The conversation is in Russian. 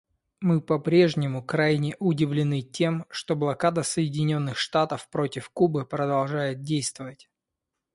Мы по-прежнему крайне удивлены тем, что блокада Соединенных Штатов против Кубы продолжает действовать.